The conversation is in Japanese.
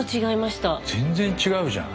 全然違うじゃん。